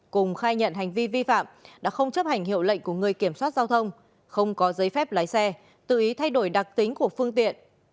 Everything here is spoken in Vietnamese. cùng khai nhận hành vi vi phạm đã không chấp hành hiệu lệnh của người kiểm soát giao thông không có giấy phép lái xe tự ý thay đổi đặc tính của phương tiện